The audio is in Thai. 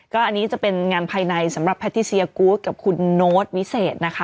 ก็อันนี้จะเป็นงานภายในสำหรับแพทติเซียกูธกับคุณโน้ตวิเศษนะคะ